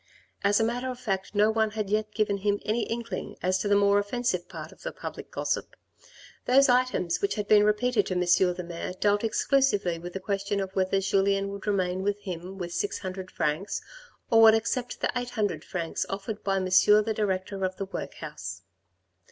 As a matter of fact no one had yet given him any inkling as to the more offensive part of the public gossip. Those items which had been repeated to M. the mayor dealt exclusively with the question of whether Julien would remain with him with six hundred francs, or would accept the eight hundred francs offered by M. the director of the workhouse.